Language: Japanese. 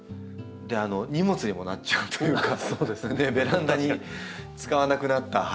荷物にもなっちゃうというかベランダに使わなくなった鉢の土とか。